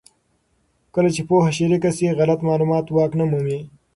کله چې پوهه شریکه شي، غلط معلومات واک نه مومي.